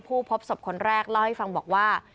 พบศพคนแรกเล่าให้ฟังบอกว่า